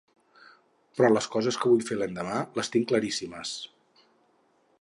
Però les coses que vull fer l'endemà les tinc claríssimes.